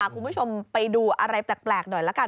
คุณผู้ชมไปดูอะไรแปลกหน่อยละกัน